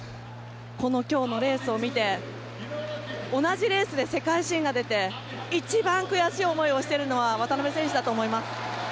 今日のレースを見て同じレースで世界新が出て一番悔しい思いをしているのは渡辺選手だと思います。